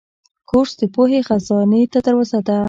کورس د پوهې خزانې ته دروازه ده.